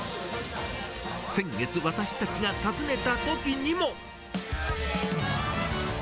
先月、私たちが訪ねたときにも。